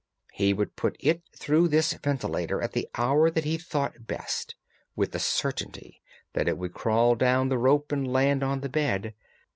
He would put it through this ventilator at the hour that he thought best, with the certainty that it would crawl down the rope and land on the bed.